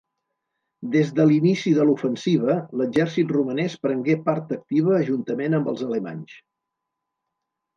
Des de l'inici de l'ofensiva, l'exèrcit romanès prengué part activa juntament amb els alemanys.